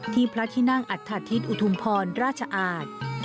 ที่พระทินักอัตภัทธิสอุทุมพรรณราชอาท